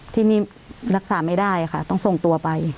ที่นี่รักษาไม่ได้ค่ะต้องส่งตัวไป